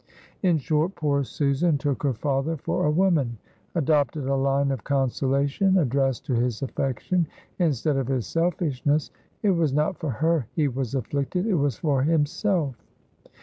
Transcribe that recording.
In short, poor Susan took her father for a woman adopted a line of consolation addressed to his affection, instead of his selfishness. It was not for her he was afflicted, it was for himself.